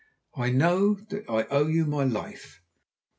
I know that I owe you my life."